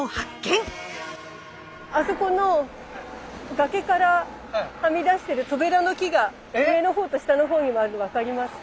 あそこの崖からはみ出してるトベラの木が上の方と下の方にもあるの分かりますか？